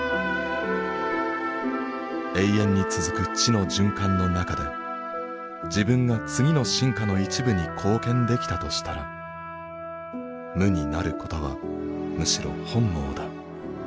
永遠に続く知の循環の中で自分が次の進化の一部に貢献できたとしたら無になることはむしろ本望だ。